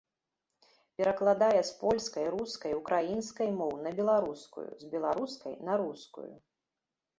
Перакладае з польскай, рускай, украінскай моў на беларускую, з беларускай на рускую.